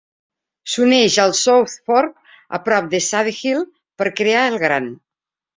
S'uneix al South Fork a prop de Shadehill per crear el Grand.